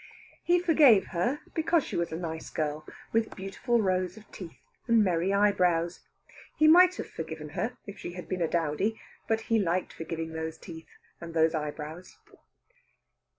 He forgave her because she was a nice girl, with beautiful rows of teeth and merry eyebrows. He might have forgiven her if she had been a dowdy. But he liked forgiving those teeth, and those eyebrows.